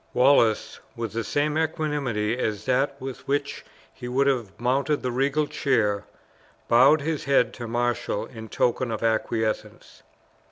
Wallace, with the same equanimity as that with which he would have mounted the regal chair, bowed his head to marshal in token of acquiescence.